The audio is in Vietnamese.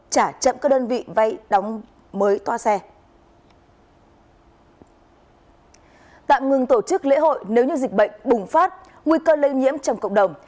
tạm ngừng tổ chức lễ hội nếu như dịch bệnh bùng phát nguy cơ lây nhiễm trong cộng đồng